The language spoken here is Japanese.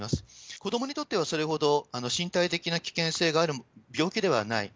子どもにとってはそれほど身体的な危険性がある病気ではない。